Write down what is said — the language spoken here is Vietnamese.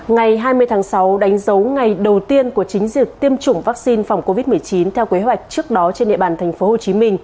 ngày hai mươi tháng sáu đánh dấu ngày đầu tiên của chính diệt tiêm chủng vaccine phòng covid một mươi chín theo kế hoạch trước đó trên địa bàn tp hcm